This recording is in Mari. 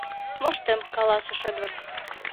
— Моштем, — каласыш Эдвард.